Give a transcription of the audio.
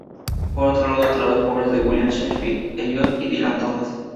Por otro lado, tradujo obras de William Shakespeare, T. S. Eliot y Dylan Thomas.